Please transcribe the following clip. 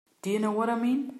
Do you know what I mean?